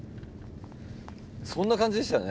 そんな感じでしたね